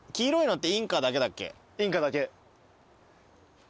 インカだけ。